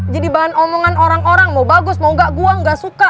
jadi bahan omongan orang orang mau bagus mau gak gue gak suka